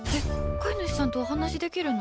飼い主さんとお話できるの？